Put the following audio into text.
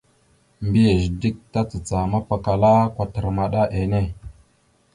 Mbiyez dik tacacah mapakala kwatar maɗa enne.